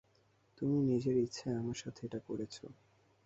তুমি নিজের ইচ্ছায় আমার সাথে এটা করছো।